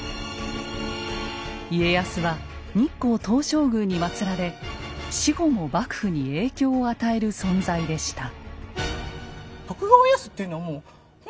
家康は日光東照宮に祭られ死後も幕府に影響を与える存在でした。